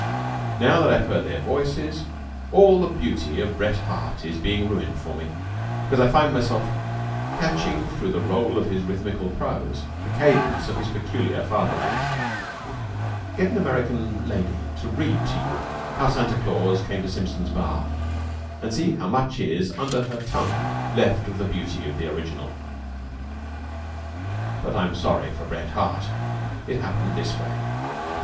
Now that I have heard their voices, all the beauty of Bret Harte is being ruined for me, because I find myself catching through the roll of his rhythmical prose the cadence of his peculiar fatherland. Get an American lady to read to you "How Santa Claus Came to Simpson's Bar," and see how much is, under her tongue, left of the beauty of the original. But I am sorry for Bret Harte. It happened this way.